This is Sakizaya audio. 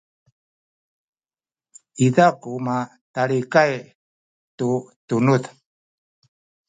izaw ku mitalikay tu tunuz